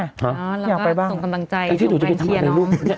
เราก็ส่งกำลังใจส่งแวนเชียร์น้อง